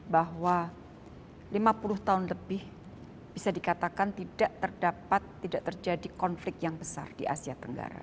bahwa lima puluh tahun lebih bisa dikatakan tidak terdapat tidak terjadi konflik yang besar di asia tenggara